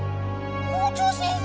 校長先生！？